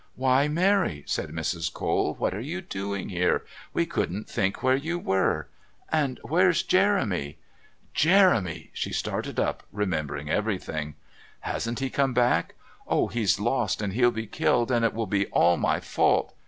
"Why, Mary!" said Mrs. Cole. "What are you doing here? We couldn't think where you were. And where's Jeremy?" "Jeremy!" She started up, remembering everything. "Hasn't he come back? Oh, he's lost and he'll be killed, and it will be all my fault!"